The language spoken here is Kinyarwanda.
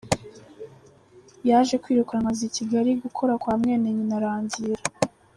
Yaje kwirukanwa aza I Kigali gukora kwa mwene nyina Rangira.